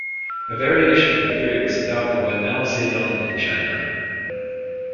A variation of the theory was also adopted by Mao Zedong in China.